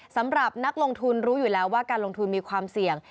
สำหรับนักลงทุนรู้อยู่แล้วว่าการลงทุนมีความเสี่ยง